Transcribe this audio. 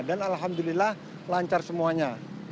dan alhamdulillah lancar semuanya